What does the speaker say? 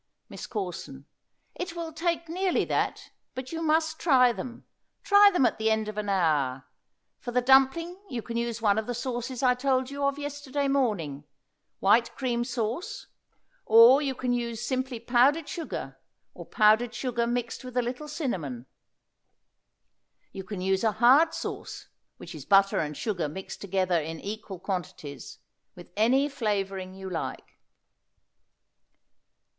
MISS CORSON. It will take nearly that, but you must try them; try them at the end of an hour. For the dumpling you can use one of the sauces I told you of yesterday morning, white cream sauce, or you can use simply powdered sugar, or powdered sugar mixed with a little cinnamon. You can use a hard sauce, which is butter and sugar mixed together in equal quantities, with any flavoring you like.